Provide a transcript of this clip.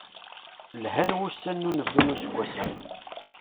Lhan wussan n unebdu n useggas-a.